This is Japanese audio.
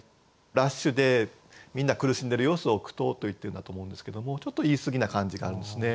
ラッシュでみんな苦しんでる様子を「苦闘」と言ってるんだと思うんですけどもちょっと言い過ぎな感じがあるんですね。